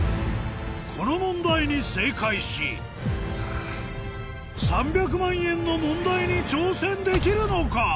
この問題に正解し３００万円の問題に挑戦できるのか？